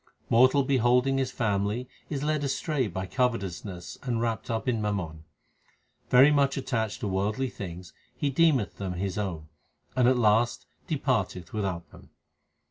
Mortal beholding his family is led astray by covetousness and wrapped up in mammon. Very much attached to worldly things, he deemeth them his own, but at last departeth without them.